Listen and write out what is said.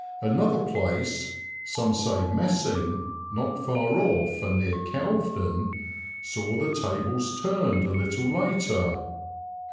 Another place, some say Messing, not far off and near Kelvedon, saw the tables turned a little later.